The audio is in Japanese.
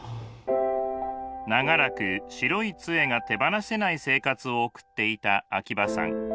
長らく白いつえが手放せない生活を送っていた秋葉さん。